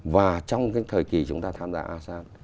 và trong cái thời kỳ chúng ta tham gia asean